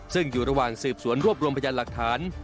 ซึ่งอยู่ระหว่างสืบสวนรวบรวมพยานหลักฐาน